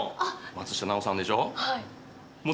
松下奈緒さんでしょう？